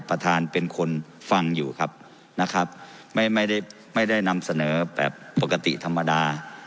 ประธานเป็นคนฟังอยู่ครับนะครับไม่ไม่ได้นำเสนอแบบปกติธรรมดา